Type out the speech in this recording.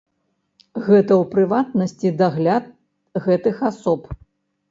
Гэта ў прыватнасці дагляд гэтых асоб.